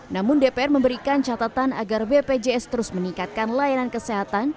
namun dpr memberikan catatan agar bpjs terus meningkatkan layanan kesehatan